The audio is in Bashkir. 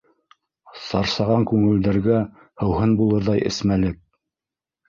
Сарсаған күңелдәргә һыуһын булырҙай эсмәлек...